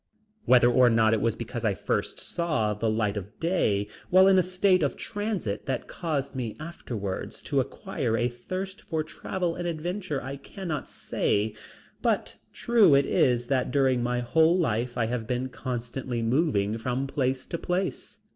Whether or not it was because I first saw the light of day while in a state of transit that caused me afterwards to acquire a thirst for travel and adventure I cannot say, but true it is that during my whole life I have been constantly moving from place to place.